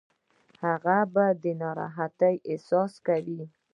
هغه به د ناراحتۍ احساس کوي.